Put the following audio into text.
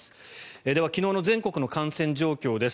では、昨日の全国の感染状況です。